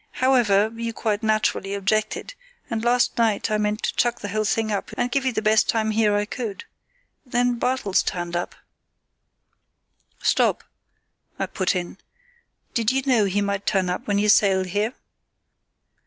However, you quite naturally objected, and last night I meant to chuck the whole thing up and give you the best time here I could. Then Bartels turned up——" "Stop," I put in. "Did you know he might turn up when you sailed here?"